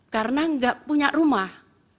karena enggak punya rumah